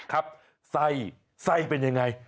ครับไส้ไกลเป็นอย่างไร